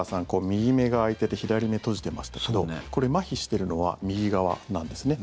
右目が開いてて左目閉じてましたけどこれ、まひしてるのは右側なんですね